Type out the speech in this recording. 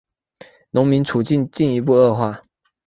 农民处境进一步恶化。